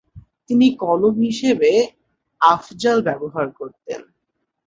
তিনি কলম নাম হিসেবে "আফজাল" ব্যবহার করতেন।